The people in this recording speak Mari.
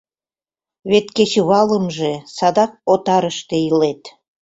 Вет кечывалымже садак отарыште илет.